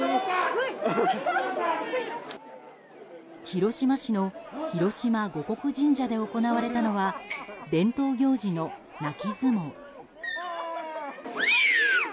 広島市の広島護国神社で行われたのは伝統行事の泣き相撲。